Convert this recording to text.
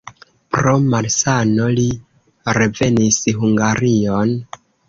Pro malsano li revenis Hungarion.